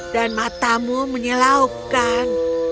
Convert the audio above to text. dan matamu menyelaukan